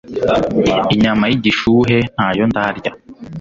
Inyama y'igishuhe ntayo ndarya